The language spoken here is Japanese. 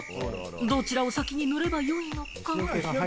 どちらを先に塗れば良いのか？